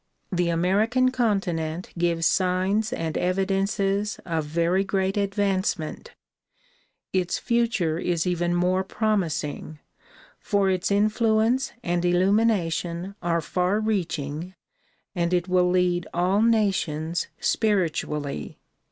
The American con tinent gives signs and evidences of very great advancement; its future is even more promising, for its influence and illumination are far reaching and it will lead all nations spiritually.